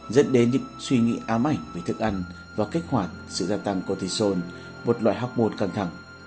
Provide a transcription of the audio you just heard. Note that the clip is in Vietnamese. dẫn đến những suy nghĩ ám ảnh về thức ăn và kích hoạt sự gia tăng cortisol một loại học môn căng thẳng